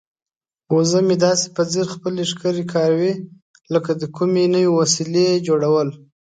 وزه مې داسې په ځیر خپلې ښکرې کاروي لکه د کومې نوې وسیلې جوړول.